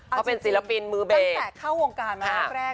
เขาเป็นศิลปินมือเบ